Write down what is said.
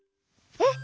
えっ？